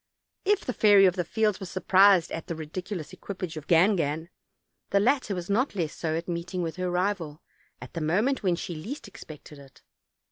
If the Fairy of the Fields was surprised at the ridicu Jous equipage of Gangan, the latter was not less so at 260 OLD, OLD FAIRY TALES. meeting with her rival, at a moment when she least expected it.